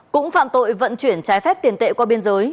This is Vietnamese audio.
cũng phạm tội vận chuyển trái phép tiền tệ qua biên giới